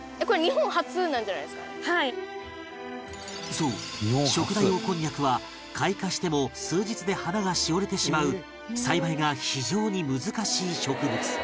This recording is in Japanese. そうショクダイオオコンニャクは開花しても数日で花がしおれてしまう栽培が非常に難しい植物